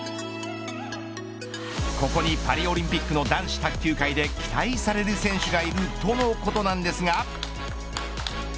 ここにパリオリンピックの男子卓球界で期待される選手がいる、とのことなんですが。